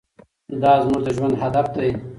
دا زموږ د ژوند هدف دی.